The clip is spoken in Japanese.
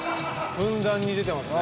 ふんだんに出てますね。